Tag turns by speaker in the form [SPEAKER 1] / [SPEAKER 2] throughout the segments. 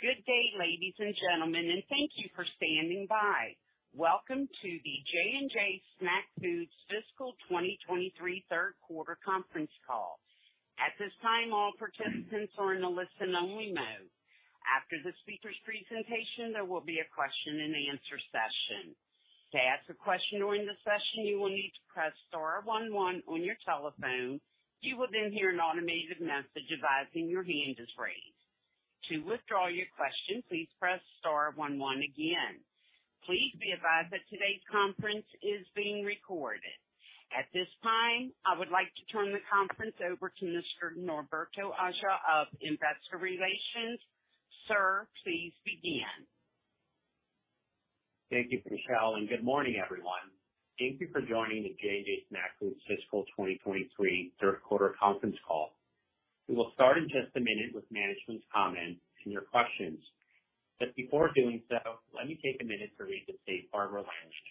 [SPEAKER 1] Good day, ladies and gentlemen, and thank you for standing by. Welcome to the J&J Snack Foods Fiscal 2023 Third Quarter Conference Call. At this time, all participants are in a listen-only mode. After the speaker's presentation, there will be a question-and-answer session. To ask a question during the session, you will need to press star one one on your telephone. You will then hear an automated message advising your hand is raised. To withdraw your question, please press star one one again. Please be advised that today's conference is being recorded. At this time, I would like to turn the conference over to Mr. Norberto Aja of Investor Relations. Sir, please begin.
[SPEAKER 2] Thank you, Michelle. Good morning, everyone. Thank you for joining the J&J Snack Foods Fiscal 2023 Third Quarter Conference Call. We will start in just a minute with management's comments and your questions, but before doing so, let me take a minute to read the safe harbor language.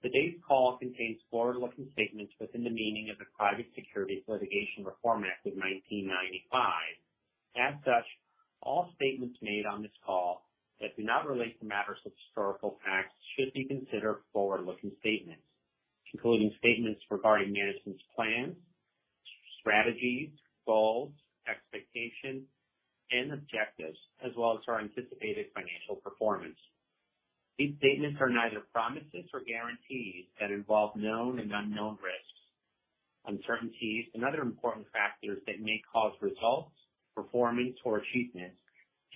[SPEAKER 2] Today's call contains forward-looking statements within the meaning of the Private Securities Litigation Reform Act of 1995. As such, all statements made on this call that do not relate to matters of historical facts should be considered forward-looking statements, including statements regarding management's plans, strategies, goals, expectations, and objectives, as well as our anticipated financial performance. These statements are neither promises or guarantees and involve known and unknown risks, uncertainties, and other important factors that may cause results, performance, or achievements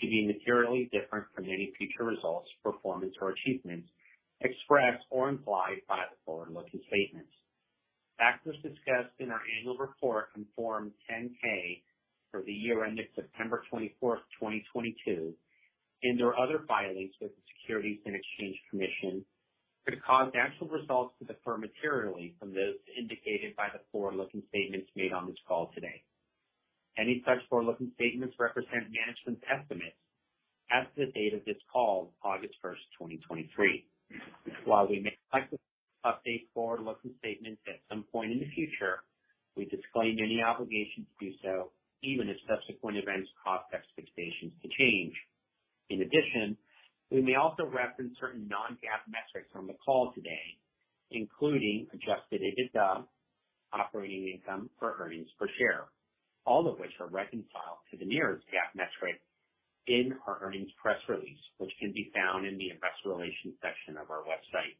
[SPEAKER 2] to be materially different from any future results, performance or achievements expressed or implied by the forward-looking statements. Factors discussed in our annual report on Form 10-K for the year ended September 24, 2022, and/or other filings with the Securities and Exchange Commission, could cause actual results to differ materially from those indicated by the forward-looking statements made on this call today. Any such forward-looking statements represent management's estimates as of the date of this call, August 1, 2023. While we may like to update forward-looking statements at some point in the future, we disclaim any obligation to do so, even if subsequent events cause expectations to change. In addition, we may also reference certain non-GAAP metrics on the call today, including Adjusted EBITDA, operating income, or earnings per share, all of which are reconciled to the nearest GAAP metric in our earnings press release, which can be found in the investor relations section of our website.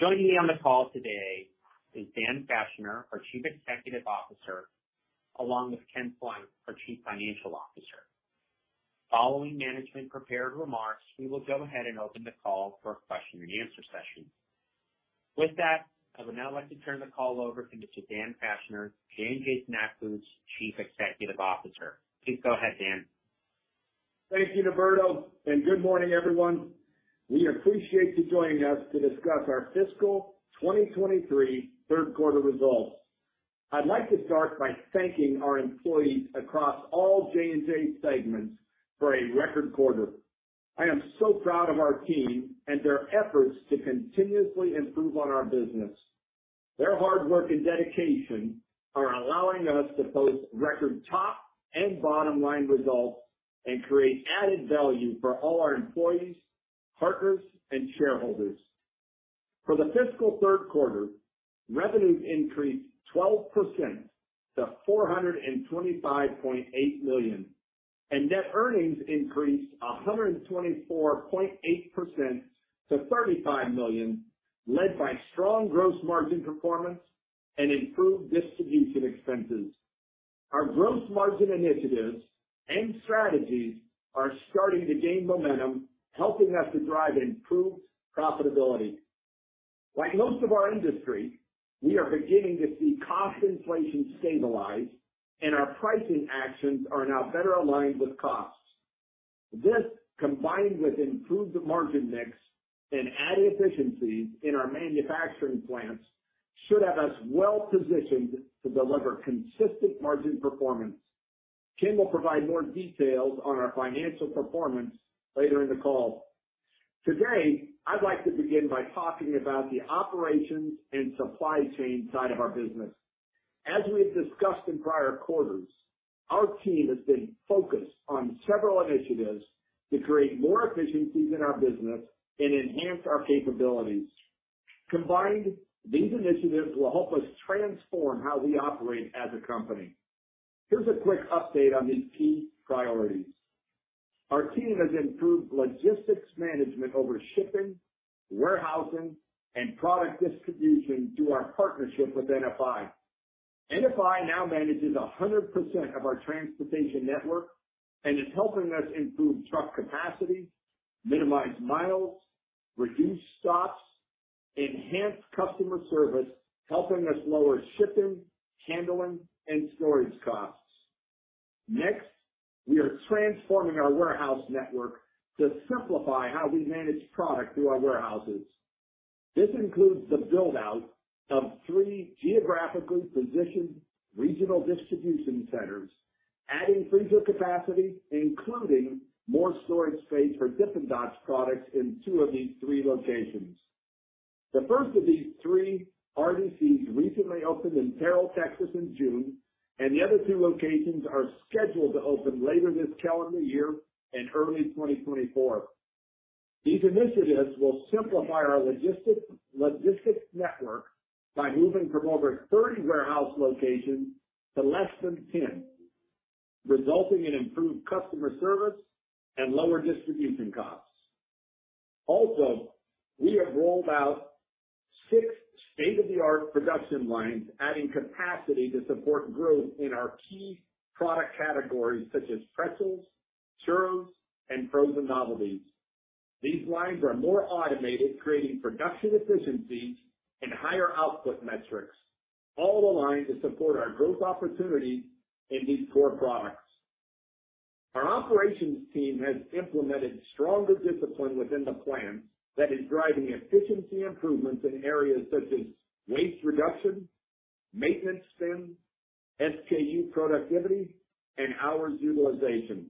[SPEAKER 2] Joining me on the call today is Dan Fachner, our Chief Executive Officer, along with Ken Plunk, our Chief Financial Officer. Following management prepared remarks, we will go ahead and open the call for a question-and-answer session. With that, I would now like to turn the call over to Mr. Dan Fachner, J&J Snack Foods' Chief Executive Officer. Please go ahead, Dan.
[SPEAKER 3] Thank you, Norberto. Good morning, everyone. We appreciate you joining us to discuss our fiscal 2023 third quarter results. I'd like to start by thanking our employees across all J&J segments for a record quarter. I am so proud of our team and their efforts to continuously improve on our business. Their hard work and dedication are allowing us to post record top and bottom line results and create added value for all our employees, partners, and shareholders. For the fiscal third quarter, revenues increased 12% to $425.8 million, and net earnings increased 124.8% to $35 million, led by strong gross margin performance and improved distribution expenses. Our gross margin initiatives and strategies are starting to gain momentum, helping us to drive improved profitability. Like most of our industry, we are beginning to see cost inflation stabilize and our pricing actions are now better aligned with costs. This, combined with improved margin mix and added efficiencies in our manufacturing plants, should have us well positioned to deliver consistent margin performance. Ken will provide more details on our financial performance later in the call. Today, I'd like to begin by talking about the operations and supply chain side of our business. As we've discussed in prior quarters, our team has been focused on several initiatives to create more efficiencies in our business and enhance our capabilities. Combined, these initiatives will help us transform how we operate as a company. Here's a quick update on these key priorities. Our team has improved logistics management over shipping, warehousing, and product distribution through our partnership with NFI. NFI now manages 100% of our transportation network and is helping us improve truck capacity, minimize miles, reduce stops, enhance customer service, helping us lower shipping, handling, and storage costs. Next, we are transforming our warehouse network to simplify how we manage product through our warehouses. This includes the build-out of three geographically positioned regional distribution centers, adding freezer capacity, including more storage space for Dippin' Dots products in two of these three locations. The first of these three RDCs recently opened in Terrell, Texas in June, and the other two locations are scheduled to open later this calendar year and early 2024. These initiatives will simplify our logistics network by moving from over 30 warehouse locations to less than 10, resulting in improved customer service and lower distribution costs. Also, we have rolled out 6 state-of-the-art production lines, adding capacity to support growth in our key product categories such as pretzels, Churros, and Frozen Novelties. These lines are more automated, creating production efficiencies and higher output metrics, all aligned to support our growth opportunities in these core products. Our operations team has implemented stronger discipline within the plant that is driving efficiency improvements in areas such as waste reduction, maintenance spend, SKU productivity, and hours utilization.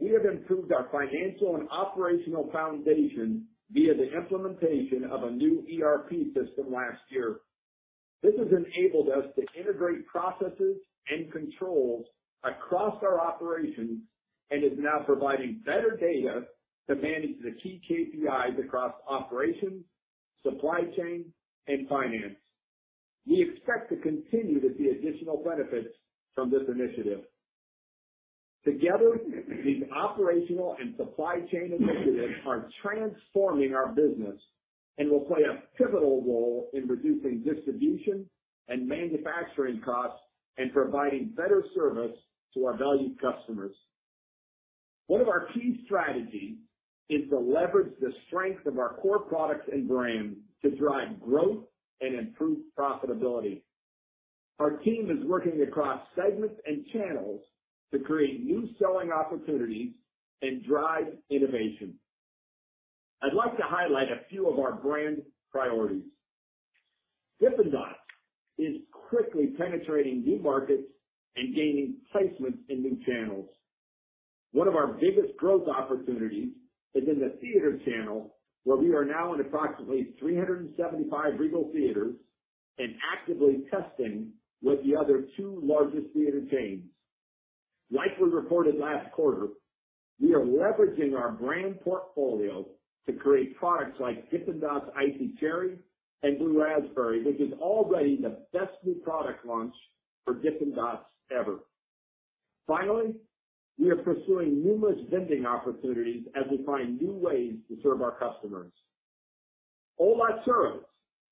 [SPEAKER 3] We have improved our financial and operational foundation via the implementation of a new ERP system last year. This has enabled us to integrate processes and controls across our operations, and is now providing better data to manage the key KPIs across operations, supply chain, and finance. We expect to continue to see additional benefits from this initiative. Together, these operational and supply chain initiatives are transforming our business and will play a pivotal role in reducing distribution and manufacturing costs and providing better service to our valued customers. One of our key strategies is to leverage the strength of our core products and brands to drive growth and improve profitability. Our team is working across segments and channels to create new selling opportunities and drive innovation. I'd like to highlight a few of our brand priorities. Dippin' Dots is quickly penetrating new markets and gaining placements in new channels. One of our biggest growth opportunities is in the theater channel, where we are now in approximately 375 Regal Theaters and actively testing with the other two largest theater chains. Like we reported last quarter, we are leveraging our brand portfolio to create products like Dippin' Dots Icy Cherry and Blue Raspberry, which is already the best new product launch for Dippin' Dots ever. Finally, we are pursuing numerous vending opportunities as we find new ways to serve our customers. ¡Hola! Churros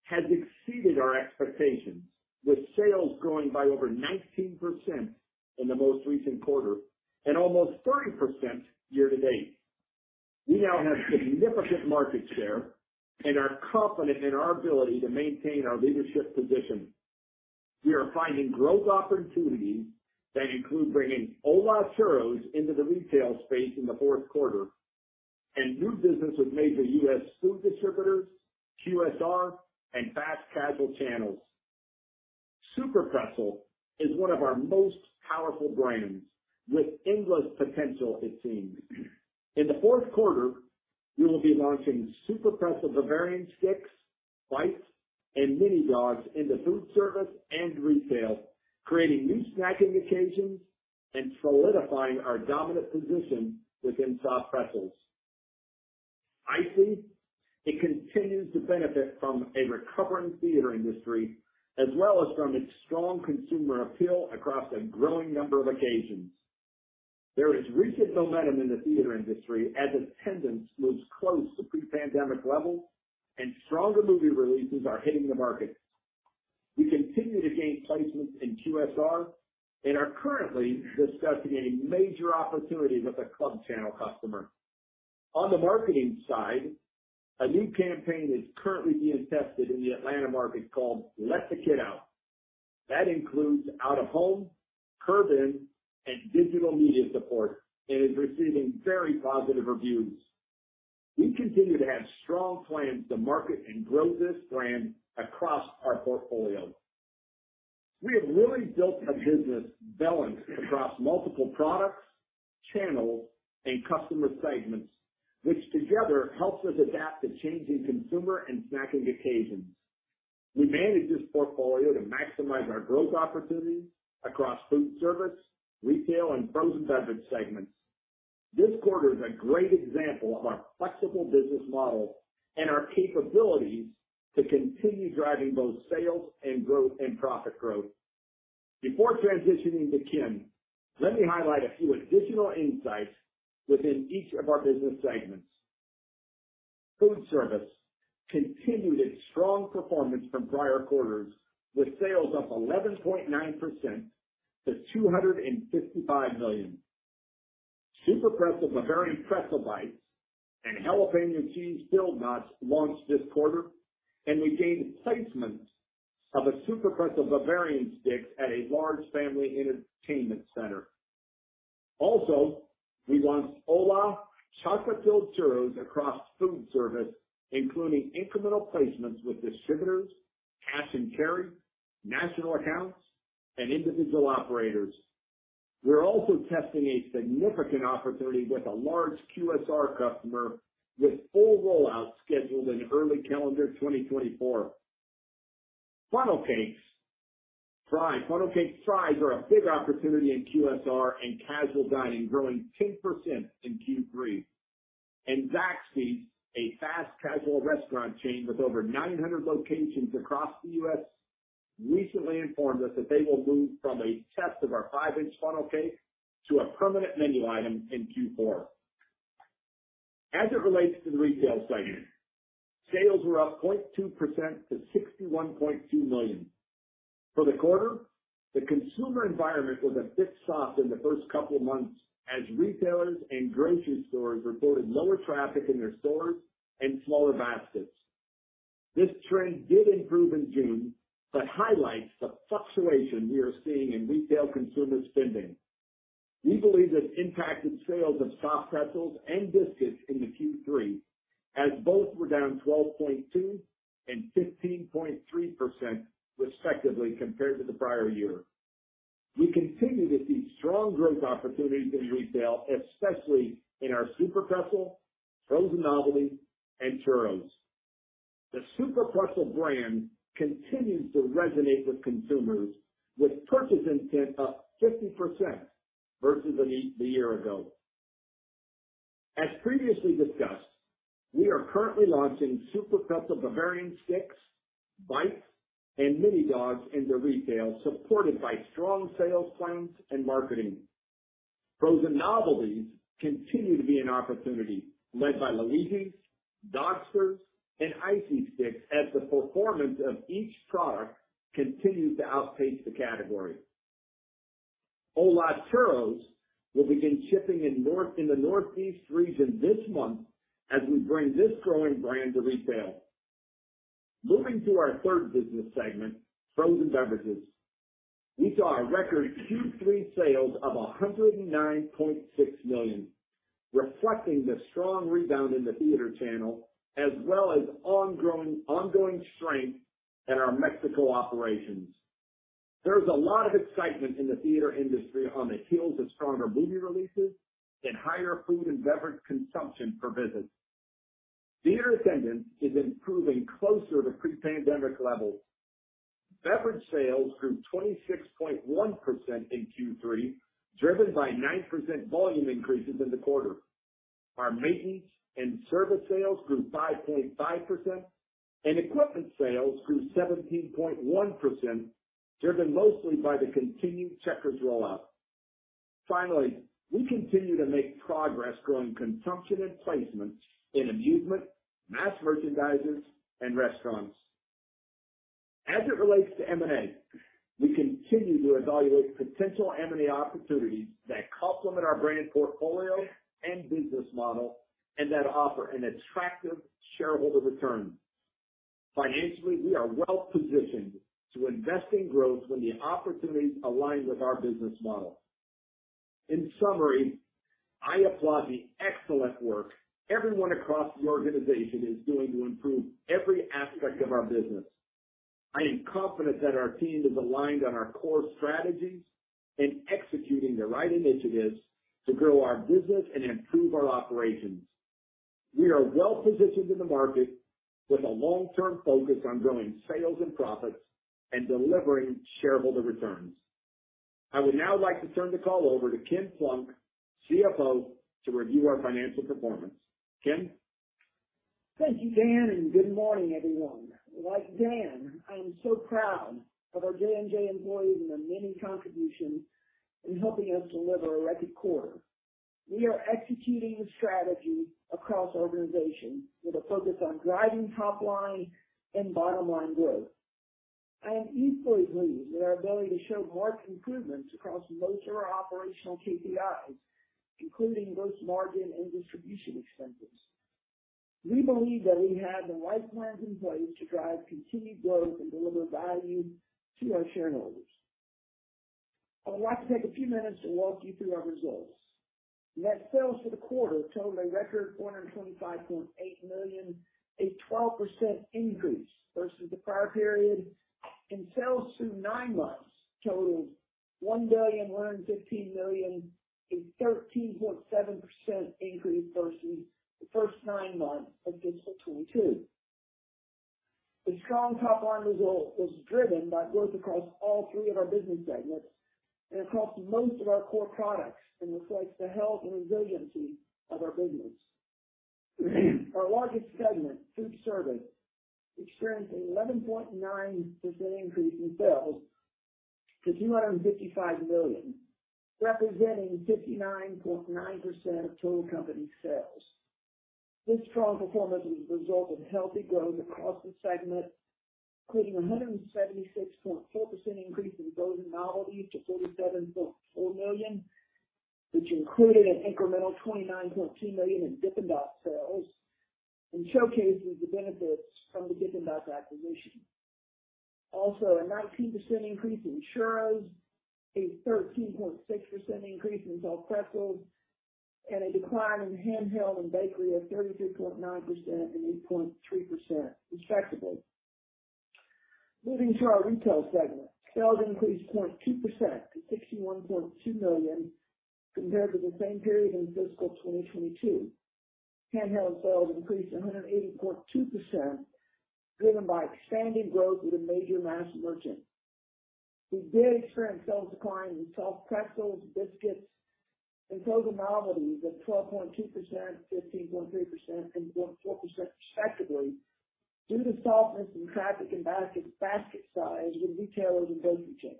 [SPEAKER 3] has exceeded our expectations, with sales growing by over 19% in the most recent quarter and almost 30% year to date. We now have significant market share and are confident in our ability to maintain our leadership position. We are finding growth opportunities that include bringing ¡Hola! Churros into the retail space in the fourth quarter, and new business with major U.S. food distributors, QSR, and fast casual channels. SUPERPRETZEL is one of our most powerful brands, with endless potential it seems. In the fourth quarter, we will be launching SUPERPRETZEL Bavarian Sticks, Bites, and Mini Dogs into food service and retail, creating new snacking occasions and solidifying our dominant position within Soft Pretzels. ICEE, it continues to benefit from a recovering theater industry, as well as from its strong consumer appeal across a growing number of occasions. There is recent momentum in the theater industry as attendance moves close to pre-pandemic levels and stronger movie releases are hitting the market. We continue to gain placements in QSR and are currently discussing a major opportunity with a club channel customer. On the marketing side, a new campaign is currently being tested in the Atlanta market called Let the Kid Out. That includes out-of-home, curb-in, and digital media support, and is receiving very positive reviews. We continue to have strong plans to market and grow this brand across our portfolio. We have really built a business balanced across multiple products, channels, and customer segments, which together helps us adapt to changing consumer and snacking occasions. We manage this portfolio to maximize our growth opportunities across food service, retail, and frozen beverage segments. This quarter is a great example of our flexible business model and our capabilities to continue driving both sales and growth and profit growth. Before transitioning to Ken, let me highlight a few additional insights within each of our business segments. Food service continued its strong performance from prior quarters, with sales up 11.9% to $255 million. SUPERPRETZEL Bavarian Soft Pretzel Bites and SUPERPRETZEL Jalapeno Cheese Filled Soft Pretzel Knots launched this quarter, and we gained placement of a SUPERPRETZEL Bavarian Soft Pretzel Sticks at a large family entertainment center. Also, we launched ¡Hola! Churros Chocolate Filled across food service, including incremental placements with distributors, cash-and-carry, national accounts, and individual operators. We're also testing a significant opportunity with a large QSR customer, with full rollout scheduled in early calendar 2024. Funnel Cake Fries. Funnel Cake Fries are a big opportunity in QSR and casual dining, growing 10% in Q3. Zaxby's, a fast-casual restaurant chain with over 900 locations across the U.S., recently informed us that they will move from a test of our 5-inch funnel cake to a permanent menu item in Q4. As it relates to the retail segment, sales were up 0.2% to $61.2 million. For the quarter, the consumer environment was a bit soft in the first couple of months, as retailers and grocery stores reported lower traffic in their stores and smaller baskets. This trend did improve in June, highlights the fluctuation we are seeing in retail consumer spending. We believe this impacted sales of Soft Pretzels and biscuits into Q3, as both were down 12.2% and 15.3% respectively compared to the prior year. We continue to see strong growth opportunities in retail, especially in our SUPERPRETZEL, Frozen Novelty, and Churros. The SUPERPRETZEL brand continues to resonate with consumers, with purchase intent up 50% versus a year ago. As previously discussed, we are currently launching SUPERPRETZEL Bavarian Sticks, Bites, and Mini Dogs into retail, supported by strong sales plans and marketing. Frozen Novelties continue to be an opportunity led by LUIGI'S, Dogsters, and ICEE sticks, as the performance of each product continues to outpace the category. Hola! Churros will begin shipping in the Northeast region this month as we bring this growing brand to retail. Moving to our third business segment, Frozen Beverages. We saw record Q3 sales of $109.6 million, reflecting the strong rebound in the theater channel, as well as ongoing, ongoing strength in our Mexico operations. There's a lot of excitement in the theater industry on the heels of stronger movie releases and higher food and beverage consumption per visit. Theater attendance is improving closer to pre-pandemic levels. Beverage sales grew 26.1% in Q3, driven by 9% volume increases in the quarter. Our maintenance and service sales grew 5.5%, and equipment sales grew 17.1%, driven mostly by the continued Checkers rollout. Finally, we continue to make progress growing consumption and placement in amusement, mass merchandisers, and restaurants. As it relates to M&A, we continue to evaluate potential M&A opportunities that complement our brand portfolio and business model, and that offer an attractive shareholder return. Financially, we are well positioned to invest in growth when the opportunities align with our business model. In summary, I applaud the excellent work everyone across the organization is doing to improve every aspect of our business. I am confident that our team is aligned on our core strategies and executing the right initiatives to grow our business and improve our operations. We are well positioned in the market with a long-term focus on growing sales and profits and delivering shareholder returns. I would now like to turn the call over to Ken Plunk, CFO, to review our financial performance. Ken?
[SPEAKER 4] Thank you, Dan, good morning, everyone. Like Dan, I am so proud of our J&J employees and their many contributions in helping us deliver a record quarter. We are executing the strategy across our organization with a focus on driving top line and bottom line growth. I am equally pleased with our ability to show marked improvements across most of our operational KPIs, including gross margin and distribution expenses. We believe that we have the right plans in place to drive continued growth and deliver value to our shareholders. I would like to take a few minutes to walk you through our results. Net sales for the quarter totaled a record $425.8 million, a 12% increase versus the prior period, and sales through nine months totaled $1.115 billion, a 13.7% increase versus the first 9 months of fiscal 2022. The strong top line result was driven by growth across all three of our business segments and across most of our core products, and reflects the health and resiliency of our business. Our largest segment, food service, experienced an 11.9% increase in sales to $255 million, representing 59.9% of total company sales. This strong performance was a result of healthy growth across the segment, including a 176.4% increase in Frozen Novelties to $37.4 million, which included an incremental $29.2 million in Dippin' Dots sales and showcases the benefits from the Dippin' Dots acquisition. Also, a 19% increase in Churros, a 13.6% increase in Soft Pretzels, and a decline in Handheld and Bakery of 32.9% and 8.3%, respectable. Moving to our retail segment. Sales increased 0.2% to $61.2 million, compared to the same period in fiscal 2022. Handheld sales increased 180.2%, driven by expanding growth with a major mass merchant. We did experience sales decline in Soft Pretzels, biscuits, and Frozen Novelties of 12.2%, 15.3%, and 4% respectively, due to softness in traffic and basket, basket size with retailers and grocery chains.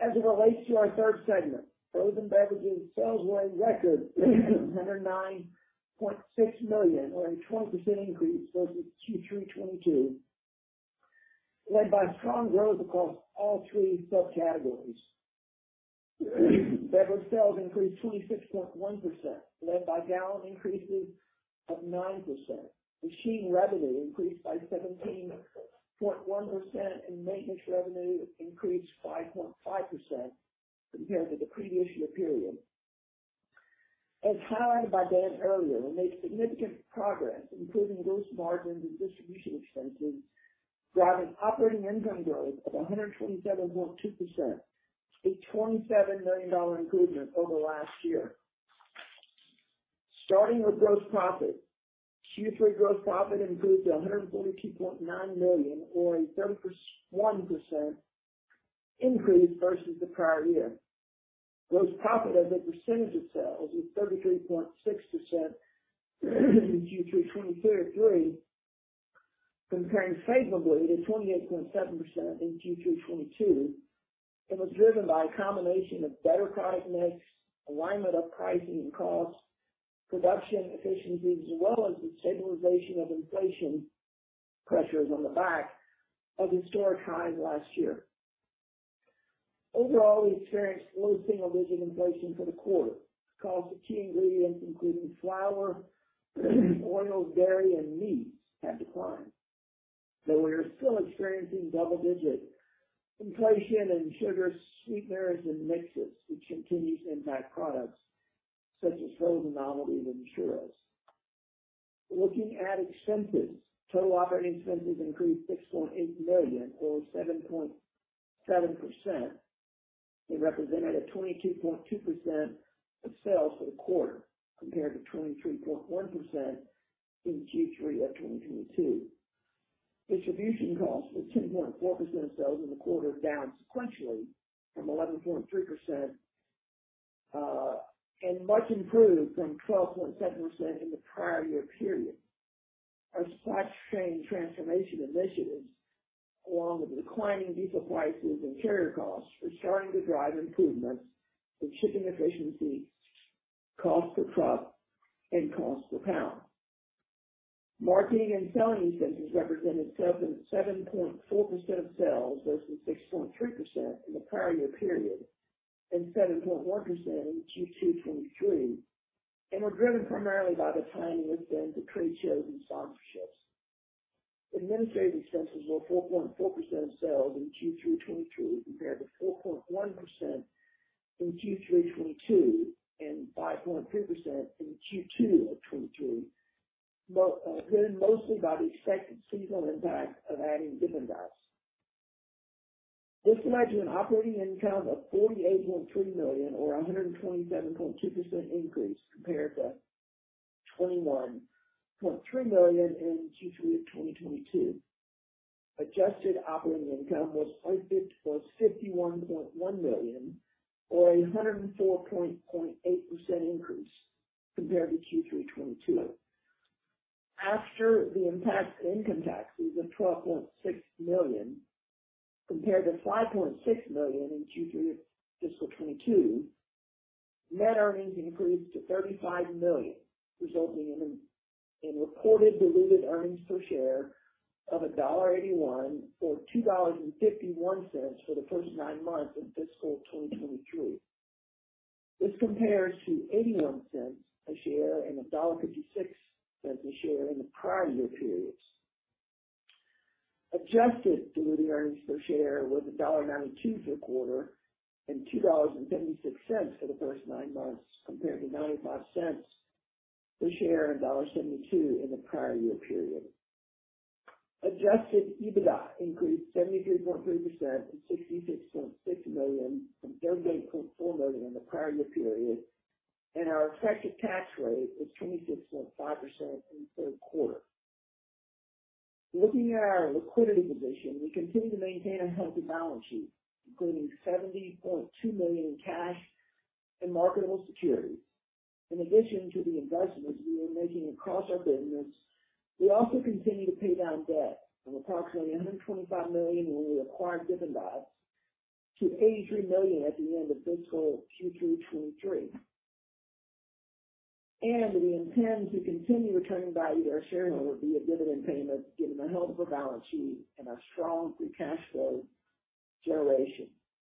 [SPEAKER 4] As it relates to our third segment, frozen beverages, sales were a record at $109.6 million, or a 20% increase versus Q3 2022, led by strong growth across all three subcategories. Beverage sales increased 26.1%, led by gallon increases of 9%. Machine revenue increased by 17.1%, and maintenance revenue increased 5.5% compared to the previous year period. As highlighted by Dan earlier, we made significant progress, improving gross margins and distribution expenses, driving operating income growth of 127.2%, a $27 million improvement over last year. Starting with gross profit, Q3 gross profit improved to $142.9 million, or a 31% increase versus the prior year. Gross profit as a percentage of sales was 33.6% in Q3 2023, comparing favorably to 28.7% in Q3 2022. It was driven by a combination of better product mix, alignment of pricing and costs, production efficiencies, as well as the stabilization of inflation pressures on the back of historic highs last year. Overall, we experienced low single-digit inflation for the quarter. Cost of key ingredients, including flour, oil, dairy, and meats have declined, though we are still experiencing double-digit inflation in sugar, sweeteners, and mixes, which continues to impact products such as Frozen Novelties and Churros. Looking at expenses, total operating expenses increased $6.8 million, or 7.7%. It represented 22.2% of sales for the quarter, compared to 23.1% in Q3 2022. Distribution costs were 2.4% of sales in the quarter, down sequentially from 11.3%, and much improved from 12.7% in the prior year period. Our supply chain transformation initiatives, along with declining diesel prices and carrier costs, are starting to drive improvements in shipping efficiency, cost per truck, and cost per pound. Marketing and selling expenses represented 7.4% of sales, versus 6.3% in the prior year period, and 7.1% in Q2 2023, and were driven primarily by the timing of trade shows and sponsorships. Administrative expenses were 4.4% of sales in Q3 2023, compared to 4.1% in Q3 2022, and 5.3% in Q2 2023. Driven mostly by the expected seasonal impact of adding Dippin' Dots. This led to an operating income of $48.3 million, or a 127.2% increase compared to $21.3 million in Q3 2022. Adjusted operating income was $51.1 million, or a 104.8% increase compared to Q3 2022. After the impact of income taxes of $12.6 million, compared to $5.6 million in Q3 fiscal 2022, net earnings increased to $35 million, resulting in a, in reported diluted earnings per share of $1.81, or $2.51 for the first nine months of fiscal 2023. This compares to $0.81 a share and $1.56 a share in the prior year periods. Adjusted diluted earnings per share was $1.92 for the quarter and $2.76 for the first nine months, compared to $0.95 per share and $1.72 in the prior year period. Adjusted EBITDA increased 73.3% to $66.6 million from $38.4 million in the prior year period, and our effective tax rate was 26.5% in the third quarter. Looking at our liquidity position, we continue to maintain a healthy balance sheet, including $70.2 million in cash and marketable securities. In addition to the investments we are making across our business, we also continue to pay down debt from approximately $125 million when we acquired Dippin' Dots to $83 million at the end of fiscal Q3 2023. We intend to continue returning value to our shareholders via dividend payments, given the health of our balance sheet and our strong free cash flow generation.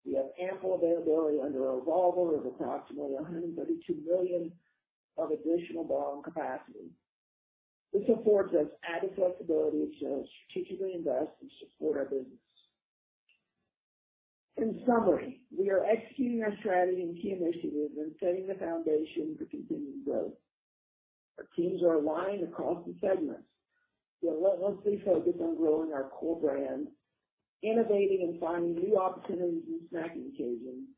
[SPEAKER 4] We have ample availability under a revolver of approximately $132 million of additional borrowing capacity. This affords us added flexibility to strategically invest and support our business. In summary, we are executing our strategy and key initiatives and setting the foundation for continued growth. Our teams are aligned across the segments. They're relentlessly focused on growing our core brands, innovating and finding new opportunities in snacking occasions,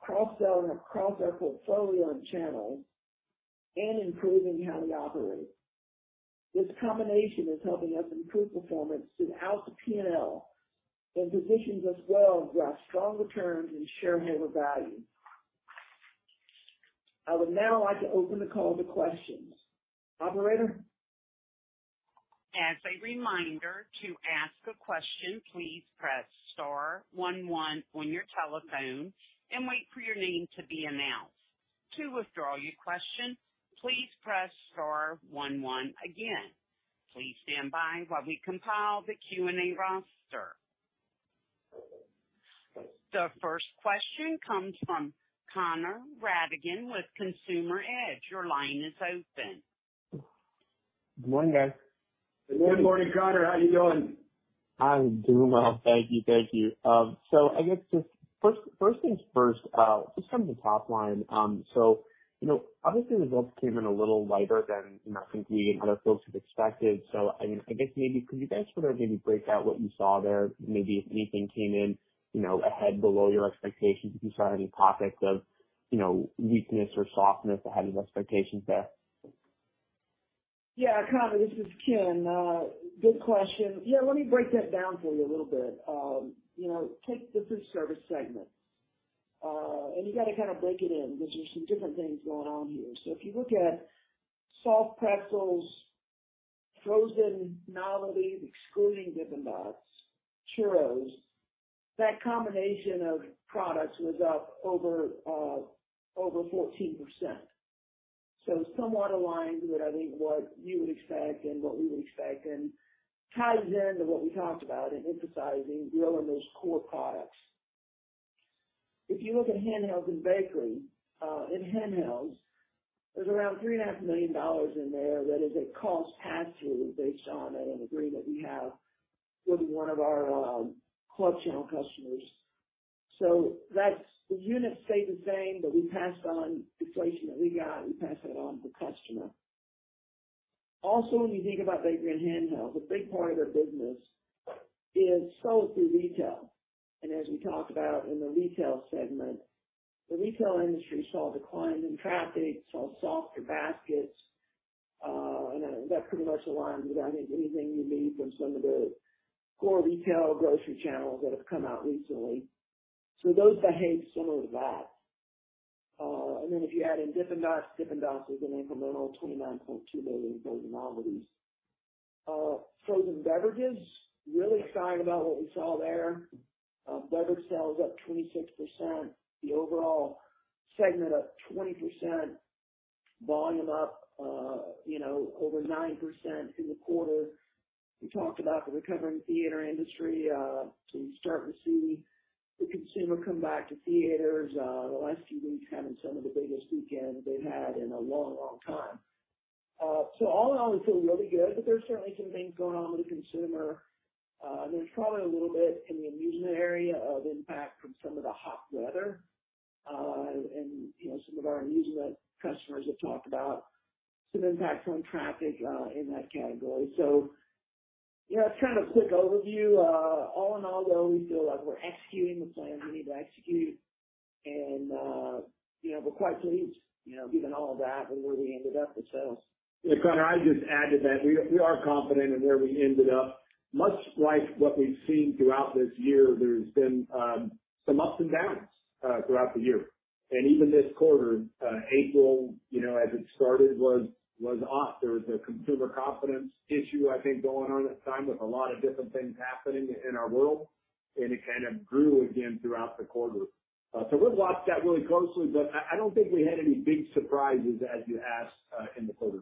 [SPEAKER 4] cross-selling across our portfolio and channels, and improving how we operate. This combination is helping us improve performance throughout the P&L and positions us well to drive strong returns and shareholder value. I would now like to open the call to questions. Operator?
[SPEAKER 1] As a reminder, to ask a question, please press star one one on your telephone and wait for your name to be announced. To withdraw your question, please press star one one again. Please stand by while we compile the Q&A roster. The first question comes from Connor Rattigan with Consumer Edge. Your line is open.
[SPEAKER 5] Good morning, guys.
[SPEAKER 4] Good morning, Connor. How are you doing?
[SPEAKER 5] I'm doing well, thank you. Thank you. I guess just first, first things first, just from the top line, you know, obviously, the results came in a little lighter than, you know, I think we and other folks had expected. I mean, I guess maybe could you guys sort of maybe break out what you saw there, maybe if anything came in, you know, ahead, below your expectations, if you saw any pockets of, you know, weakness or softness ahead of expectations there?
[SPEAKER 4] Yeah, Connor, this is Ken. Good question. Yeah, let me break that down for you a little bit. You know, take the food service segment, and you got to kind of break it in because there's some different things going on here. If you look at Soft Pretzels, Frozen Novelties, excluding Dippin' Dots, Churros, that combination of products was up over 14%. Somewhat aligned with, I think, what you would expect and what we would expect, and ties into what we talked about in emphasizing growing those core products. If you look at handhelds and bakery, in handhelds, there's around $3.5 million in there that is a cost pass-through based on an agreement that we have with one of our club channel customers. That's the units stay the same, but we pass on inflation that we got, we pass that on to the customer. When you think about bakery and handheld, a big part of their business is sold through retail. As we talked about in the retail segment, the retail industry saw declines in traffic, saw softer baskets, and then that pretty much aligns with, I think, anything you read from some of the core retail grocery channels that have come out recently. Those behaved similar to that. And then if you add in Dippin' Dots, Dippin' Dots is an incremental $29.2 million in those novelties. Frozen beverages, really excited about what we saw there. Beverage sales up 26%, the overall segment up 20%, volume up, you know, over 9% in the quarter. We talked about the recovering theater industry, so you're starting to see the consumer come back to theaters, the last few weeks having some of the biggest weekends they've had in a long, long time. All in all, we feel really good, but there's certainly some things going on with the consumer. There's probably a little bit in the amusement area of impact from some of the hot weather. You know, some of our amusement customers have talked about some impact on traffic, in that category. You know, it's kind of a quick overview. All in all, though, we feel like we're executing the plan we need to execute and, you know, we're quite pleased, you know, given all of that and where we ended up with sales.
[SPEAKER 3] Yeah, Connor, I just add to that, we, we are confident in where we ended up. Much like what we've seen throughout this year, there's been some ups and downs throughout the year. Even this quarter, April, you know, as it started, was, was off. There was a consumer confidence issue, I think, going on at the time with a lot of different things happening in our world, and it kind of grew again throughout the quarter. We've watched that really closely, but I, I don't think we had any big surprises as you asked, in the quarter.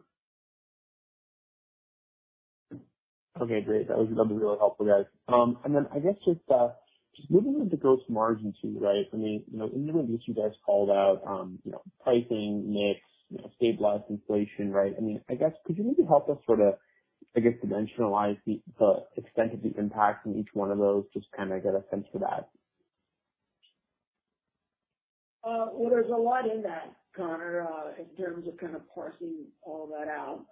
[SPEAKER 5] Okay, great. That was really helpful, guys. Then I guess just, just looking at the gross margin too, right? I mean, you know, any of these you guys called out, you know, pricing, mix, you know, stabilized inflation, right? I mean, I guess could you maybe help us sort of, I guess, dimensionalize the, the extent of the impact in each one of those, just to kind of get a sense of that?
[SPEAKER 4] Well, there's a lot in that, Connor, in terms of kind of parsing all that out.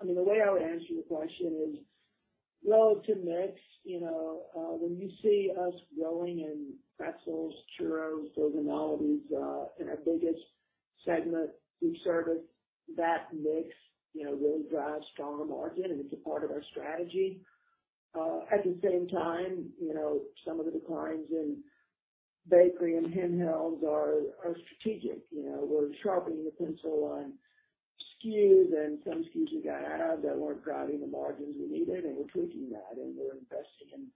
[SPEAKER 4] I mean, the way I would answer your question is relative to mix, you know, when you see us growing in pretzels, Churros, Frozen Novelties, in our biggest segment, food service, that mix, you know, really drives stronger margin, and it's a part of our strategy. At the same time, you know, some of the declines in bakery and handhelds are, are strategic. You know, we're sharpening the pencil on SKUs and some SKUs we got to have that weren't driving the margins we needed, and we're tweaking that, and we're investing in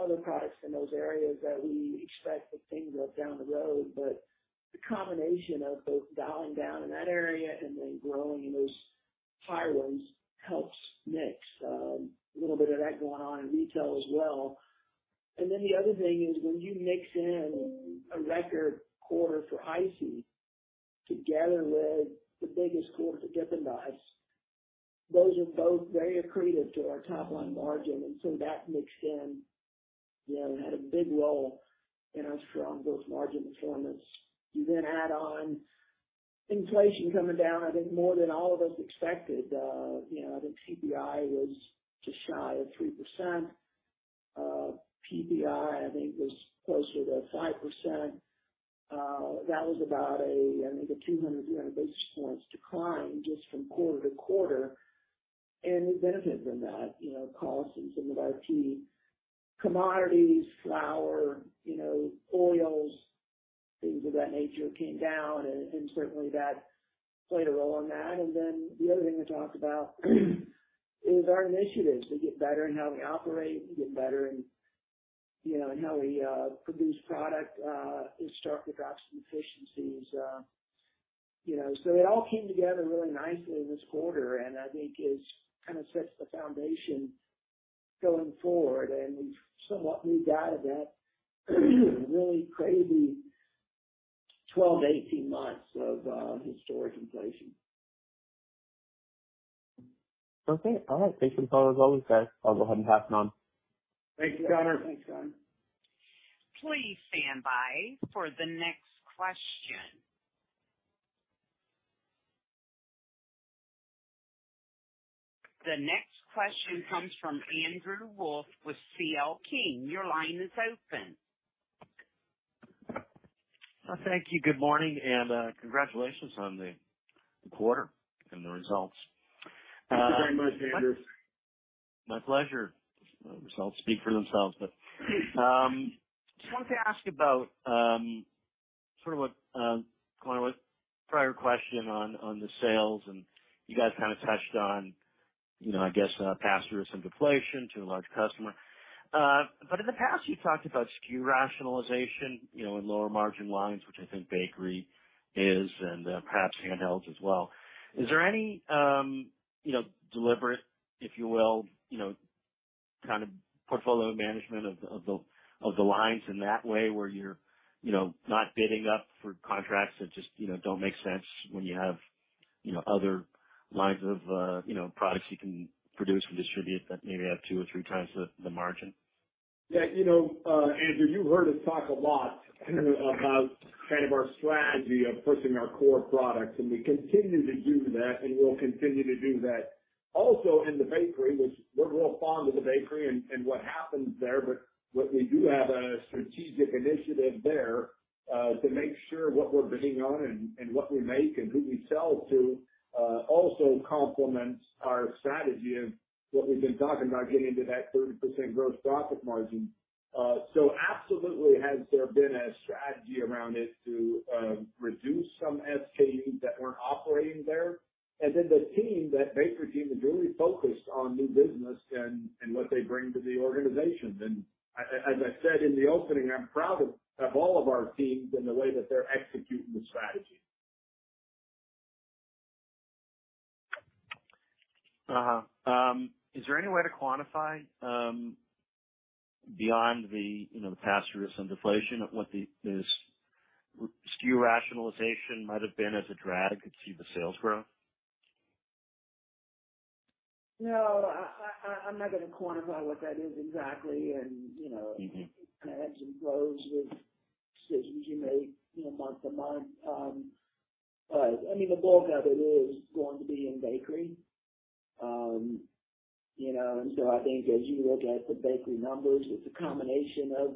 [SPEAKER 4] other products in those areas that we expect to see growth down the road. The combination of both dialing down in that area and then growing in those higher ones helps mix. A little bit of that going on in retail as well. The other thing is, when you mix in a record quarter for ICEE together with the biggest quarter for Dippin' Dots, those are both very accretive to our top-line margin, and so that mixed in, you know, had a big role in our strong gross margin performance. You add on inflation coming down, I think, more than all of us expected. You know, the CPI was just shy of 3%. PPI, I think, was closer to 5%. That was about a, I think, a 200 basis points decline just from quarter-to-quarter. We benefited from that. You know, costs in some of IT, commodities, flour, you know, oils, things of that nature came down and, and certainly that played a role in that. Then the other thing we talked about is our initiatives to get better in how we operate and get better in, you know, in how we produce product and start to drive some efficiencies. You know, it all came together really nicely this quarter, and I think it kind of sets the foundation going forward, and we've somewhat moved out of that really crazy 12-18 months of historic inflation.
[SPEAKER 5] Okay. All right. Thank you as always, guys. I'll go ahead and pass it on.
[SPEAKER 3] Thanks, Connor. Thanks, Connor.
[SPEAKER 1] Please stand by for the next question. The next question comes from Andrew Wolf with C.L. King. Your line is open.
[SPEAKER 6] Well, thank you. Good morning, and congratulations on the, the quarter and the results.
[SPEAKER 3] Thank you very much, Andrew.
[SPEAKER 6] My pleasure. The results speak for themselves. Just wanted to ask you about, sort of what, kind of a prior question on, on the sales, and you guys kind of touched on, you know, I guess, pass through some deflation to a large customer. In the past, you've talked about SKU rationalization, you know, in lower margin lines, which I think bakery is, and, perhaps handhelds as well. Is there any, you know, deliberate, if you will, you know, kind of portfolio management of the lines in that way where you're, you know, not bidding up for contracts that just, you know, don't make sense when you have, you know, other lines of, you know, products you can produce and distribute that maybe have 2 or 3 times the, the margin?
[SPEAKER 3] Yeah, you know, Andrew, you've heard us talk a lot about kind of our strategy of pushing our core products, and we continue to do that, and we'll continue to do that. Also in the bakery, which we're real fond of the bakery and, and what happens there, but what we do have a strategic initiative there, to make sure what we're bidding on and, and what we make and who we sell to, also complements our strategy of what we've been talking about, getting to that 30% gross profit margin. So absolutely has there been a strategy around it to reduce some SKUs that weren't operating there. Then the team, that bakery team, is really focused on new business and, and what they bring to the organization. As I, as I said in the opening, I'm proud of, of all of our teams and the way that they're executing the strategy.
[SPEAKER 6] Is there any way to quantify, beyond the, you know, the pass-through of some deflation of what the, this SKU rationalization might have been as a drag against the sales growth?
[SPEAKER 4] No, I, I, I'm not going to quantify what that is exactly. You know.
[SPEAKER 6] Mm-hmm.
[SPEAKER 4] It comes in rows with decisions you make, you know, month to month. I mean, the bulk of it is going to be in bakery. You know, I think as you look at the bakery numbers, it's a combination of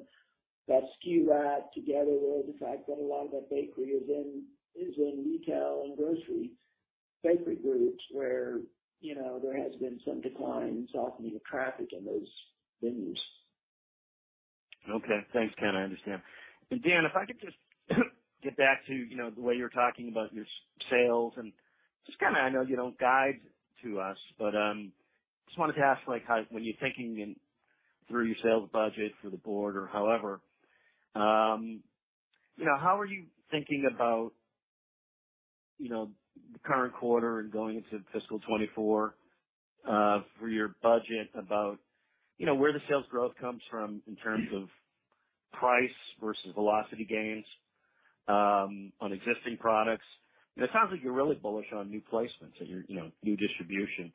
[SPEAKER 4] that SKU ride together with the fact that a lot of that bakery is in, is in retail and grocery bakery groups, where, you know, there has been some declines, often in the traffic in those venues.
[SPEAKER 6] Okay. Thanks, Ken. I understand. Dan, if I could just get back to, you know, the way you're talking about your sales and just kind of I know you don't guide to us, but, just wanted to ask, like, how when you're thinking through your sales budget for the board or however, you know, how are you thinking about, you know, the current quarter and going into fiscal 2024, for your budget about, you know, where the sales growth comes from in terms of price versus velocity gains, on existing products? It sounds like you're really bullish on new placements and your, you know, new distribution.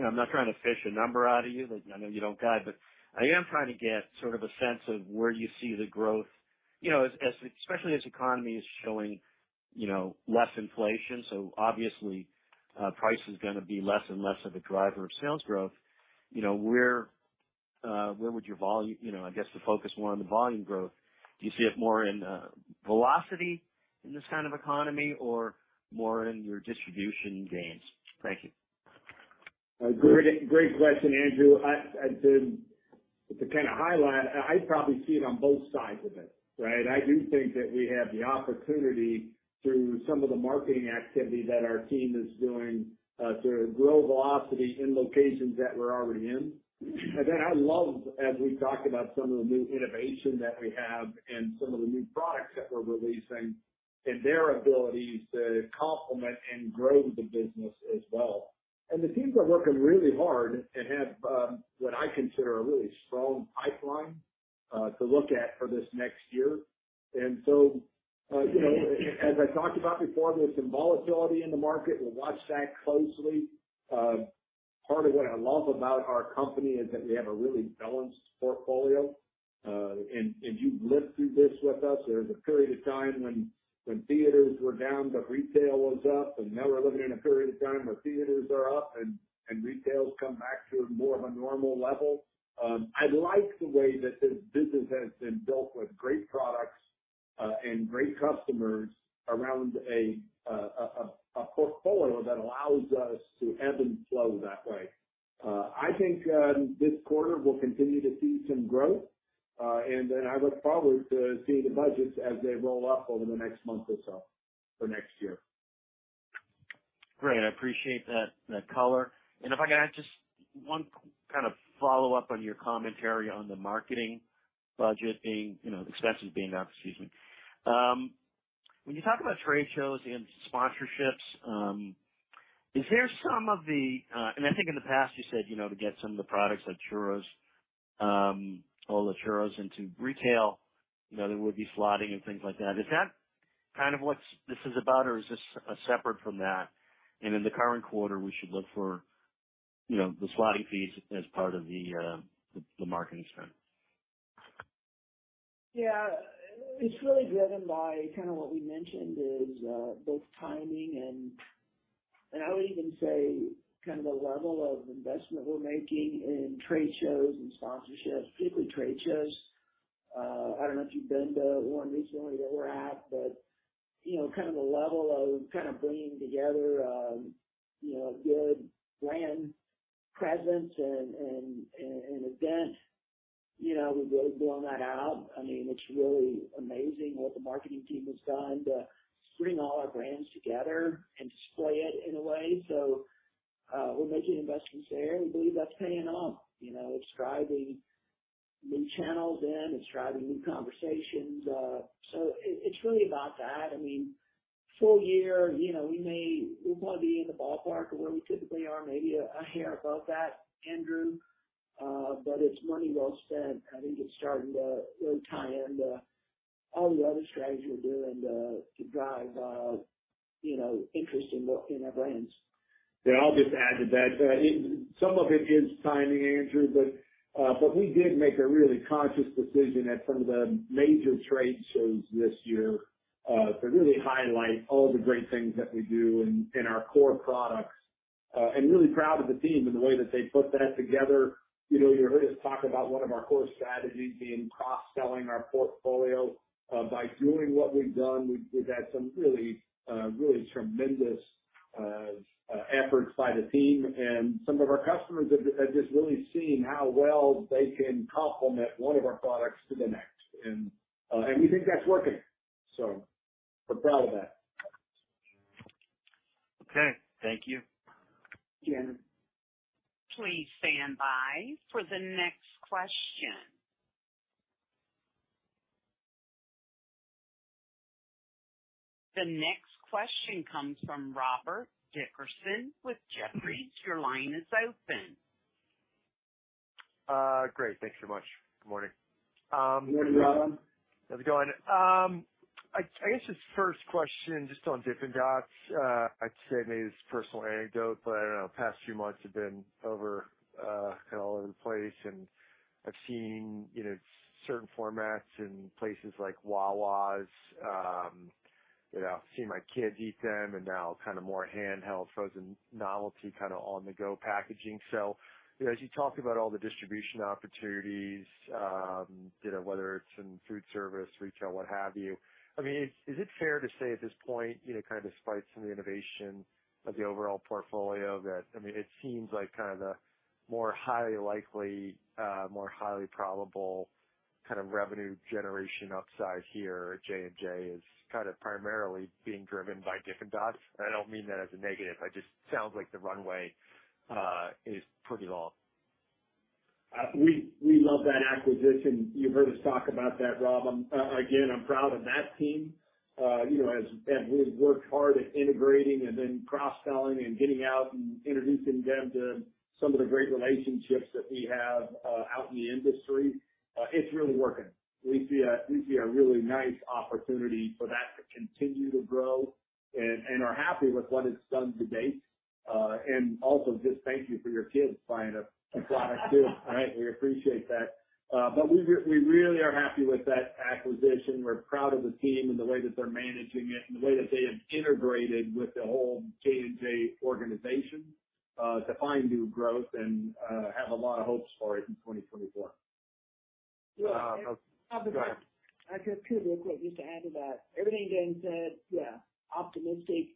[SPEAKER 6] I'm not trying to fish a number out of you, but I know you don't guide, but I am trying to get sort of a sense of where you see the growth, you know, as, as, especially as economy is showing, you know, less inflation. Obviously, price is gonna be less and less of a driver of sales growth. You know, where, where would your volume. You know, I guess to focus more on the volume growth, do you see it more in, velocity in this kind of economy or more in your distribution gains? Thank you.
[SPEAKER 3] Great, great question, Andrew. To kind of highlight, I probably see it on both sides of it, right? I do think that we have the opportunity through some of the marketing activity that our team is doing, to grow velocity in locations that we're already in. Then I love, as we've talked about some of the new innovation that we have and some of the new products that we're releasing and their ability to complement and grow the business as well. The teams are working really hard and have, what I consider a really strong pipeline, to look at for this next year. You know, as I talked about before, there's some volatility in the market. We'll watch that closely. Part of what I love about our company is that we have a really balanced portfolio. And you've lived through this with us. There was a period of time when, when theaters were down, but retail was up, and now we're living in a period of time where theaters are up and, and retail's come back to more of a normal level. I like the way that this business has been built with great products, and great customers around a, a portfolio that allows us to ebb and flow that way. I think, this quarter we'll continue to see some growth, and then I look forward to seeing the budgets as they roll up over the next month or so for next year.
[SPEAKER 6] Great. I appreciate that, that color. If I can add just one kind of follow-up on your commentary on the marketing budget being, you know, expenses being up, excuse me. When you talk about trade shows and sponsorships, and I think in the past you said, you know, to get some of the products like Churros, all the Churros into retail, you know, there would be slotting and things like that. Is that kind of what's this is about, or is this separate from that? In the current quarter, we should look for, you know, the slotting fees as part of the, the marketing spend.
[SPEAKER 4] Yeah. It's really driven by kind of what we mentioned is both timing and, and I would even say kind of the level of investment we're making in trade shows and sponsorships, particularly trade shows. I don't know if you've been to one recently that we're at, but, you know, kind of the level of kind of bringing together, you know, good brand presence and, and, and, and event, you know, we really blowing that out. I mean, it's really amazing what the marketing team has done to bring all our brands together and display it in a way. We're making investments there, and we believe that's paying off. You know, it's driving new channels in, it's driving new conversations. It, it's really about that. I mean, full year, you know, we'll probably be in the ballpark of where we typically are, maybe a hair above that, Andrew, but it's money well spent. I think it's starting to really tie into all the other strategies we're doing, to drive, you know, interest in our brands.
[SPEAKER 3] Yeah, I'll just add to that. Some of it is timing, Andrew, but we did make a really conscious decision at some of the major trade shows this year, to really highlight all the great things that we do in, in our core products. I'm really proud of the team and the way that they put that together. You know, you heard us talk about one of our core strategies being cross-selling our portfolio. By doing what we've done, we've, we've had some really, really tremendous efforts by the team, and some of our customers have, have just really seen how well they can complement one of our products to the next. We think that's working, so we're proud of that.
[SPEAKER 6] Okay. Thank you.
[SPEAKER 4] Thank you.
[SPEAKER 1] Please stand by for the next question. The next question comes from Rob Dickerson with Jefferies. Your line is open.
[SPEAKER 7] Great. Thanks so much. Good morning.
[SPEAKER 3] Good morning, Rob.
[SPEAKER 7] How's it going? I guess just first question, just on Dippin' Dots. I'd say maybe this is a personal anecdote, but I don't know, the past few months have been over, kind of all over the place, and I've seen, you know, certain formats in places like Wawa. You know, I've seen my kids eat them, and now kind of more handheld, frozen novelty, kind of on-the-go packaging. you know, as you talk about all the distribution opportunities, you know, whether it's in food service, retail, what have you, I mean, is, is it fair to say at this point, you know, kind of despite some of the innovation of the overall portfolio, that, I mean, it seems like kind of the more highly likely, more highly probable kind of revenue generation upside here at J&J is kind of primarily being driven by Dippin' Dots? I don't mean that as a negative, but just sounds like the runway is pretty long.
[SPEAKER 3] We, we love that acquisition. You've heard us talk about that, Rob. Again, I'm proud of that team. You know, as and we've worked hard at integrating and then cross-selling and getting out and introducing them to some of the great relationships that we have out in the industry. It's really working. We see a, we see a really nice opportunity for that to continue to grow and are happy with what it's done to date. And also, just thank you for your kids buying a product, too. All right. We appreciate that. But we really are happy with that acquisition. We're proud of the team and the way that they're managing it, and the way that they have integrated with the whole J&J organization, to find new growth and, have a lot of hopes for it in 2024. Go ahead.
[SPEAKER 4] I've got two real quick just to add to that. Everything Dan said, yeah, optimistic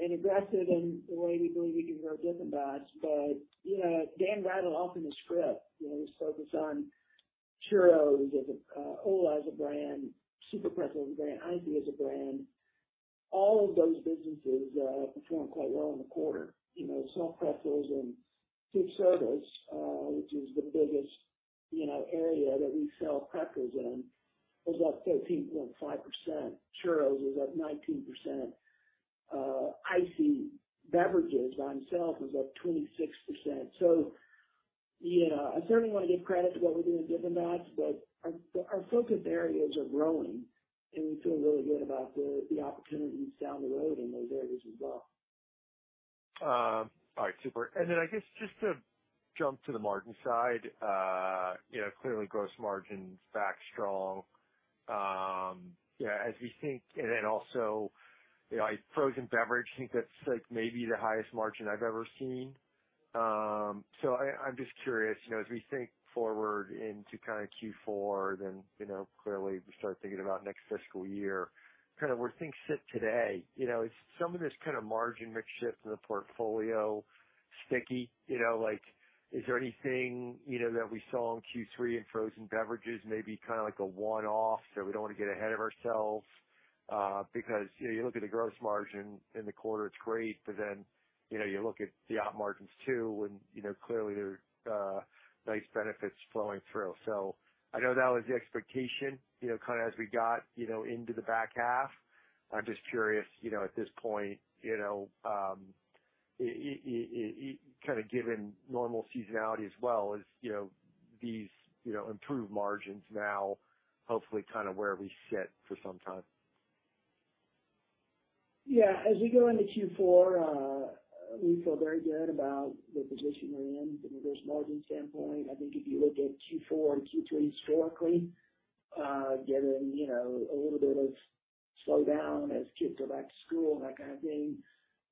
[SPEAKER 4] and aggressive in the way we believe we can grow Dippin' Dots, but, you know, Dan rattled off in the script, you know, his focus on Churros as a, ¡Hola! as a brand, SUPERPRETZEL as a brand, ICEE as a brand. All of those businesses performed quite well in the quarter, you know, Soft Pretzels and Quick Service, which is the biggest, you know, area that we sell Pretzels in, was up 13.5%. Churros was up 19%. ICEE beverages by themselves was up 26%. you know, I certainly wanna give credit to what we do in Dippin' Dots, but our, our focus areas are growing, and we feel really good about the, the opportunities down the road in those areas as well.
[SPEAKER 7] All right. Super. Then I guess just to jump to the margin side, you know, clearly gross margin's back strong. Then also, you know, like, frozen beverage, I think that's, like, maybe the highest margin I've ever seen. So I, I'm just curious, you know, as we think forward into Q4, then, you know, clearly we start thinking about next fiscal year, kind of where things sit today, you know, is some of this kind of margin mix shift in the portfolio sticky? You know, like, is there anything, you know, that we saw in Q3 in frozen beverages maybe like a one-off, so we don't wanna get ahead of ourselves? You know, you look at the gross margin in the quarter, it's great, but then, you know, you look at the op margins, too, and, you know, clearly there are nice benefits flowing through. I know that was the expectation, you know, kinda as we got, you know, into the back half. I'm just curious, you know, at this point, you know, kind of given normal seasonality as well, is, you know, these, you know, improved margins now, hopefully kind of where we sit for some time.
[SPEAKER 4] Yeah. As we go into Q4, we feel very good about the position we're in from a gross margin standpoint. I think if you look at Q4 and Q3 historically, getting, you know, a little bit of slowdown as kids go back to school and that kind of thing,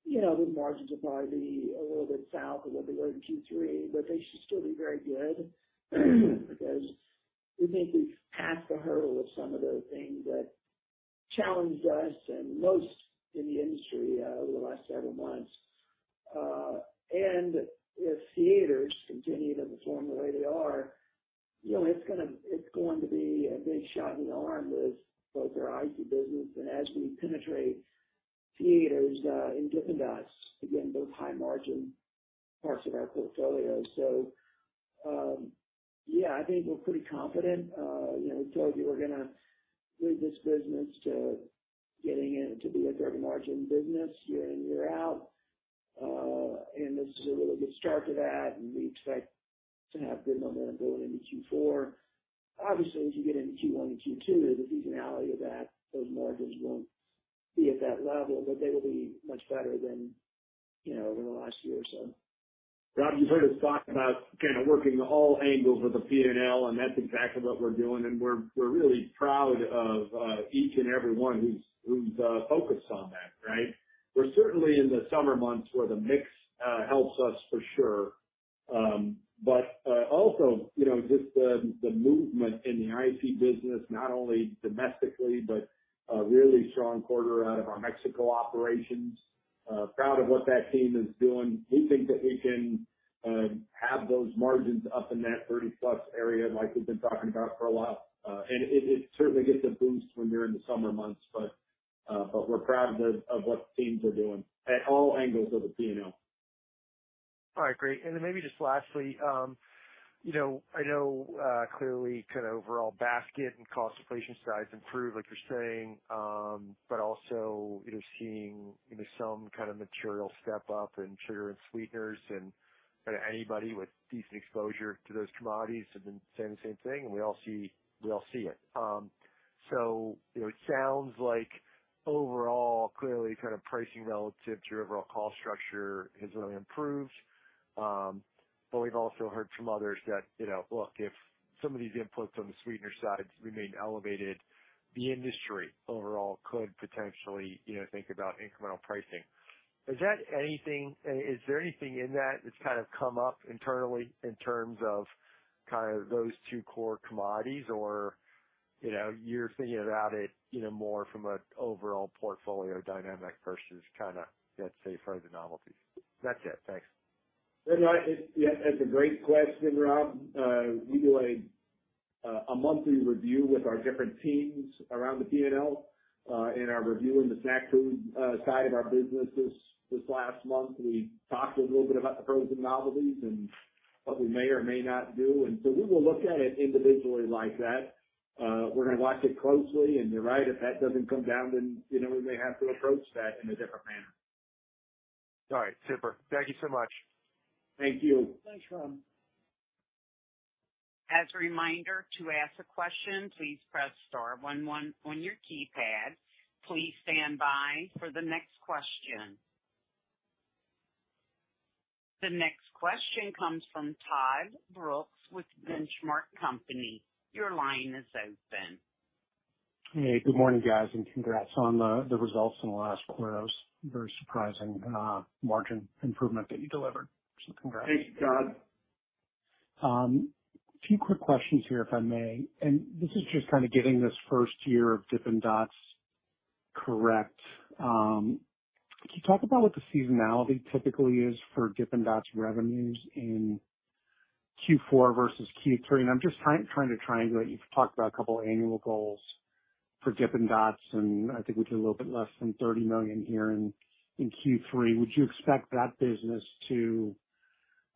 [SPEAKER 4] you know, the margins will probably be a little bit south of what we were in Q3, but they should still be very good, because we think we've passed the hurdle of some of the things that challenged us and most in the industry, over the last several months. And if theaters continue to perform the way they are, you know, it's going to be a big shot in the arm with both our IG business and as we penetrate theaters, in Dippin' Dots, again, those high margin parts of our portfolio. Yeah, I think we're pretty confident. You know, we told you we're gonna lead this business to getting it to be a very margin business year in, year out. This is a really good start to that, and we expect to have good momentum going into Q4. Obviously, as you get into Q1 and Q2, there's a seasonality of that. Those margins won't be at that level, but they will be much better than, you know, over the last year or so.
[SPEAKER 3] Rob, you've heard us talk about kind of working all angles of the P&L, that's exactly what we're doing, we're, we're really proud of each and everyone who's, who's focused on that, right? We're certainly in the summer months where the mix helps us for sure. Also, you know, just the, the movement in the IG business, not only domestically, but a really strong quarter out of our Mexico operations. Proud of what that team is doing. We think that we can have those margins up in that 30-plus area like we've been talking about for a while. It, it certainly gets a boost when you're in the summer months, but we're proud of, of what the teams are doing at all angles of the P&L.
[SPEAKER 7] All right, great. Then maybe just lastly, you know, I know, clearly kind of overall basket and cost inflation size improved, like you're saying. Also, you know, seeing, you know, some kind of material step-up in sugar and sweeteners and, kind of, anybody with decent exposure to those commodities have been saying the same thing, and we all see, we all see it. You know, it sounds like overall, clearly kind of pricing relative to your overall cost structure has really improved. We've also heard from others that, you know, look, if some of these inputs on the sweetener sides remain elevated, the industry overall could potentially, you know, think about incremental pricing. Is there anything in that that's kind of come up internally in terms of kind of those two core commodities? You know, you're thinking about it, you know, more from an overall portfolio dynamic versus kind of, let's say, Frozen Novelties. That's it. Thanks.
[SPEAKER 3] Yeah, no, it's a great question, Rob. We do a monthly review with our different teams around the P&L. In our review in the snack food side of our business this, this last month, we talked a little bit about the Frozen Novelties and what we may or may not do. So we will look at it individually like that. We're gonna watch it closely. You're right, if that doesn't come down, then, you know, we may have to approach that in a different manner.
[SPEAKER 7] All right. Super. Thank you so much.
[SPEAKER 3] Thank you.
[SPEAKER 4] Thanks, Rob.
[SPEAKER 1] As a reminder, to ask a question, please press star one one on your keypad. Please stand by for the next question. The next question comes from Todd Brooks with Benchmark Company. Your line is open.
[SPEAKER 8] Hey, good morning, guys, and congrats on the, the results in the last quarter. It was very surprising, margin improvement that you delivered. Congrats.
[SPEAKER 3] Thank you, Todd.
[SPEAKER 8] Two quick questions here, if I may, and this is just kind of getting this first year of Dippin' Dots correct. Can you talk about what the seasonality typically is for Dippin' Dots revenues Q4 versus Q3, and I'm just trying to triangulate. You've talked about a couple annual goals for Dippin' Dots, and I think we did a little bit less than $30 million here in Q3. Would you expect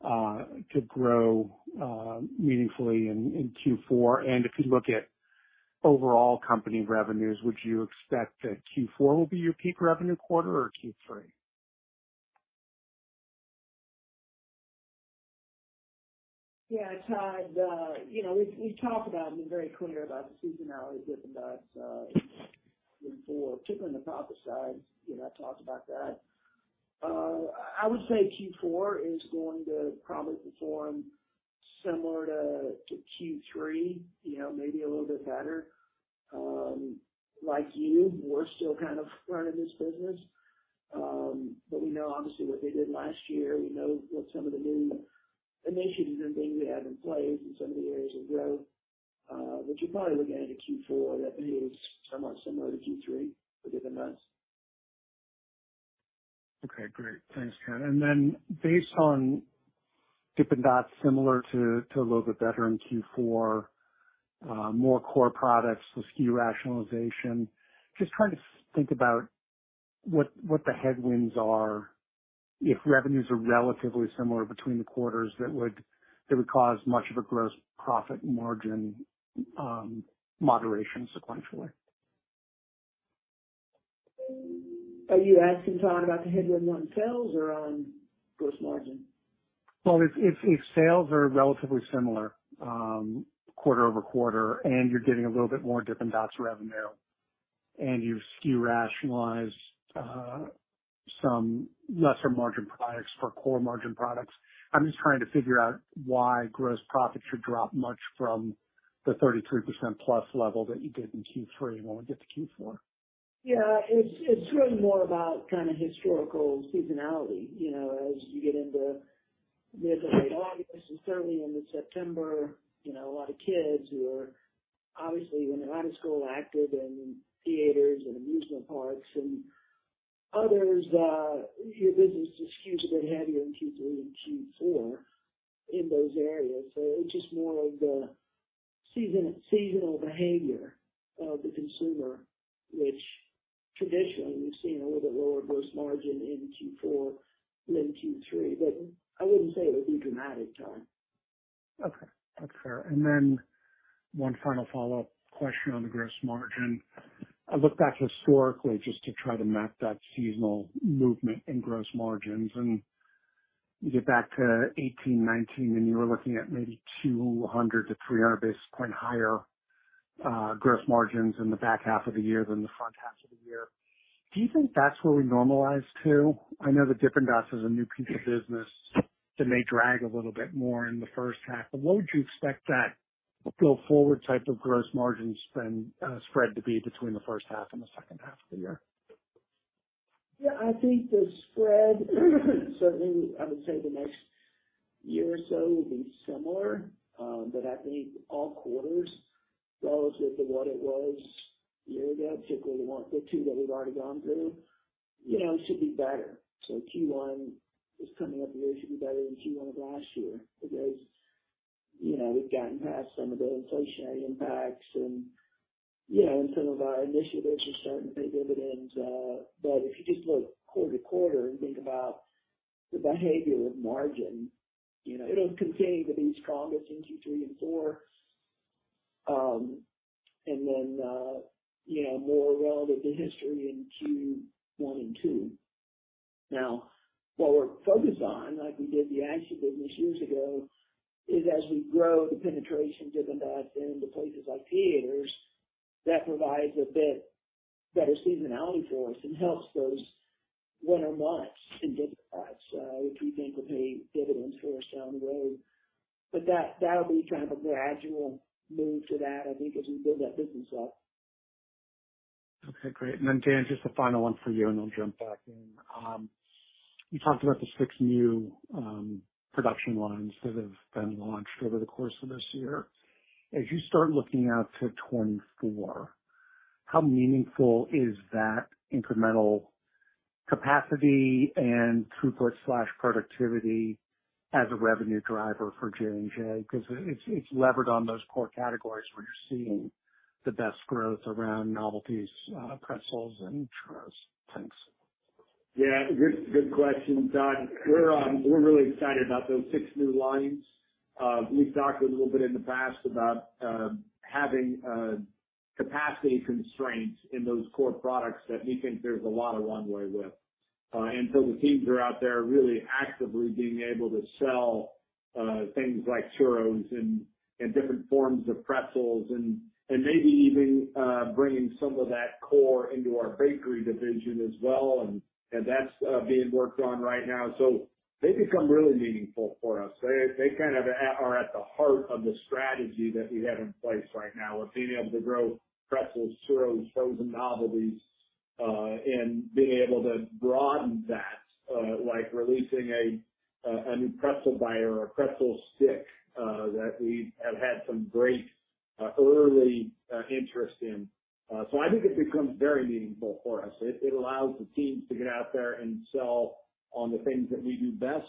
[SPEAKER 8] that business to grow meaningfully in Q4? And if you look at overall company revenues, would you expect that Q4 will be your peak revenue quarter or Q3?
[SPEAKER 4] Yeah, Todd, you know, we've, we've talked about and been very clear about the seasonality of Dippin' Dots in Q4, particularly on the profit side, you know, I talked about that. I would say Q4 is going to probably perform similar to, to Q3, you know, maybe a little bit better. Like you, we're still kind of running this business, but we know obviously what we did last year. We know what some of the new initiatives and things we have in place and some of the areas of growth, but you're probably looking into Q4. That behavior is somewhat similar to Q3 for Dippin' Dots.
[SPEAKER 8] Okay, great. Thanks, Todd. Based on Dippin' Dots, similar to, to a little bit better in Q4, more core products, the SKU rationalization, just trying to think about what, what the headwinds are, if revenues are relatively similar between the quarters, that would cause much of a gross profit margin moderation sequentially.
[SPEAKER 4] Are you asking, Todd, about the headwind on sales or on gross margin?
[SPEAKER 8] Well, if, if, if sales are relatively similar, quarter-over-quarter, and you're getting a little bit more Dippin' Dots revenue, and you've SKU rationalized some lesser margin products for core margin products, I'm just trying to figure out why gross profit should drop much from the 33%+ level that you did in Q3 when we get to Q4?
[SPEAKER 4] Yeah, it's, it's really more about kind of historical seasonality. You know, as you get into mid to late August and certainly into September, you know, a lot of kids who are obviously, when they're out of school, active in theaters and amusement parks and others, your business is just hugely heavier in Q3 and Q4 in those areas. It's just more of the seasonal behavior of the consumer, which traditionally we've seen a little bit lower gross margin in Q4 than Q3, but I wouldn't say it would be dramatic, Todd.
[SPEAKER 8] Okay. That's fair. One final follow-up question on the gross margin. I looked back historically just to try to map that seasonal movement in gross margins, you get back to 2018, 2019, and you were looking at maybe 200-300 basis points higher gross margins in the back half of the year than the front half of the year. Do you think that's where we normalize to? I know that Dippin' Dots is a new piece of business that may drag a little bit more in the first half, but what would you expect that go forward type of gross margin spend spread to be between the first half and the second half of the year?
[SPEAKER 4] Yeah, I think the spread, certainly, I would say the next year or so will be similar. I think all quarters, relative to what it was a year ago, particularly the two that we've already gone through, you know, should be better. So Q1 is coming up here, should be better than Q1 of last year because, you know, we've gotten past some of the inflationary impacts and, you know, and some of our initiatives are starting to pay dividends. If you just look quarter to quarter and think about the behavior of margin, you know, it'll continue to be strongest in Q3 and Q4. Then, you know, more relative to history in Q1 and Q2. What we're focused on, like we did the action business years ago, is as we grow the penetration Dippin' Dots into places like theaters, that provides a bit better seasonality for us and helps those winter months in Dippin' Dots. Which we think will pay dividends for us down the road. That'll be kind of a gradual move to that, I think, as we build that business up.
[SPEAKER 8] Okay, great. Then, Dan, just a final one for you, and I'll jump back in. You talked about the 6 new production lines that have been launched over the course of this year. As you start looking out to 2024, how meaningful is that incremental capacity and throughput/productivity as a revenue driver for J&J? Because it- it's levered on those core categories where you're seeing the best growth around novelties, pretzels, and Churros. Thanks.
[SPEAKER 3] Yeah, good, good question, Todd. We're really excited about those six new lines. We've talked a little bit in the past about having capacity constraints in those core products that we think there's a lot of runway with. The teams are out there really actively being able to sell things like Churros and different forms of pretzels and maybe even bringing some of that core into our bakery division as well, and that's being worked on right now. They become really meaningful for us. They, they kind of are at the heart of the strategy that we have in place right now with being able to grow pretzels, Churros, Frozen Novelties, and being able to broaden that, like releasing a new pretzel bite or a pretzel stick, that we have had some great early interest in. So I think it becomes very meaningful for us. It, it allows the teams to get out there and sell on the things that we do best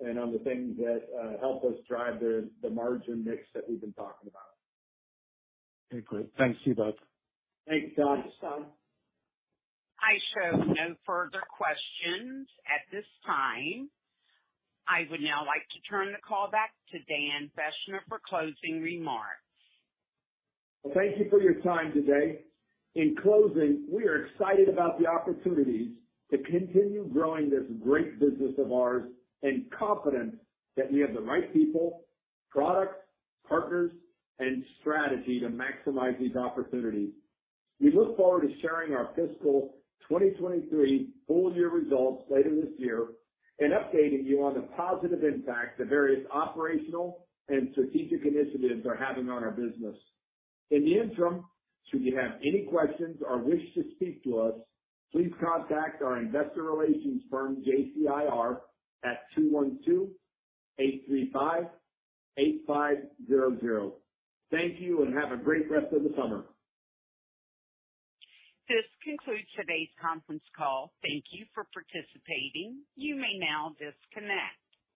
[SPEAKER 3] and on the things that help us drive the margin mix that we've been talking about.
[SPEAKER 8] Okay, great. Thanks. See you, Todd.
[SPEAKER 3] Thanks, Todd. Tom?
[SPEAKER 1] I show no further questions at this time. I would now like to turn the call back to Dan Fachner for closing remarks.
[SPEAKER 3] Thank you for your time today. In closing, we are excited about the opportunities to continue growing this great business of ours and confident that we have the right people, products, partners, and strategy to maximize these opportunities. We look forward to sharing our fiscal 2023 full year results later this year and updating you on the positive impact the various operational and strategic initiatives are having on our business. In the interim, should you have any questions or wish to speak to us, please contact our investor relations firm, JCIR, at 212-835-8500. Thank you, and have a great rest of the summer.
[SPEAKER 1] This concludes today's conference call. Thank you for participating. You may now disconnect.